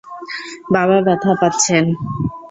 বাবা ব্যথা পাচ্ছেন।